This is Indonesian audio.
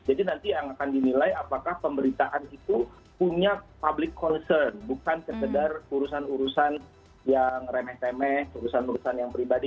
jadi nanti yang akan dinilai apakah pemberitaan itu punya public concern bukan sekedar urusan urusan yang remeh temeh urusan urusan yang pribadi